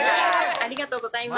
ありがとうございます。